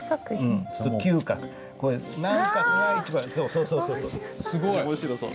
そうそうそうそう。